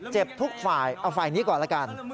ทุกฝ่ายเอาฝ่ายนี้ก่อนละกัน